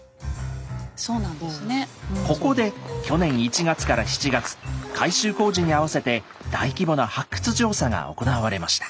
ここで去年１月から７月改修工事にあわせて大規模な発掘調査が行われました。